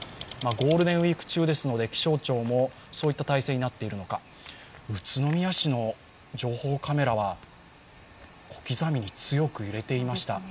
ゴールデンウイーク中ですので気象庁もそういった体制になっているのか宇都宮市の情報カメラは小刻みに強く揺れていました。